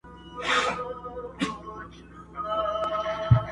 د هلمند څخه شرنګى د امېلونو،